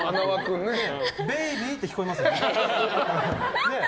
ベイビーって聞こえますよね。